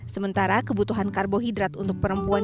sementara kebutuhan karbohidrat untuk perempuan